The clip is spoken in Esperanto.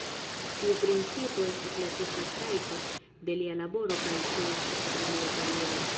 Tiu principo estas la ĉefa trajto de lia laboro kaj ĉeestis tra lia kariero.